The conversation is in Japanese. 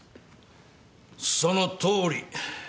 そのとおり。